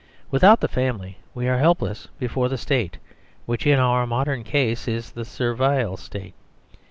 Without the family we are helpless before the State, which in our mod ern case is the Servile State.